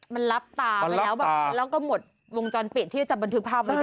มันรับตาไปแล้วแบบแล้วก็หมดวงจรปิดที่จะบันทึกภาพไว้ได้